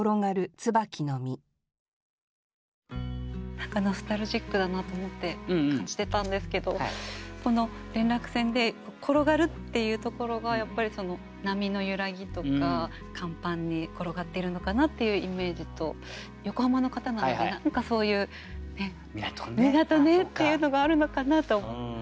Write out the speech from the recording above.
何かノスタルジックだなと思って感じてたんですけどこの連絡船で転がるっていうところがやっぱり波の揺らぎとか甲板に転がっているのかなっていうイメージと横浜の方なので何かそういう港っていうのがあるのかなと。